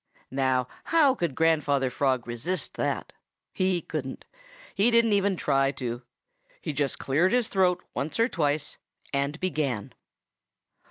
Now how could Grandfather Frog resist that? He couldn't. He didn't even try to. He just cleared his throat once or twice and began.